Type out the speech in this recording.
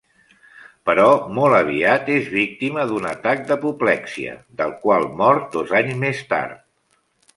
Però molt aviat és víctima d'un atac d'apoplexia, del qual mort dos anys més tard.